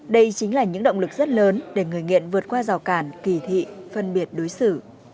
đây chính là những động lực rất lớn để người nghiện vượt qua rào cản kỳ thị phân biệt đối xử